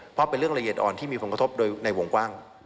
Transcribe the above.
เพราะเป็นเรื่องละเอียดอ่อนที่มีผลกระทบโดยในวงกว้าง